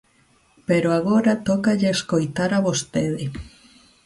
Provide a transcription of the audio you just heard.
Pero agora tócalle escoitar a vostede.